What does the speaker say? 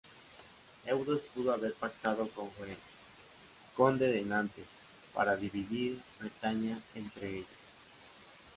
Eudes pudo haber pactado con Hoel, Conde de Nantes, para dividir Bretaña entre ellos.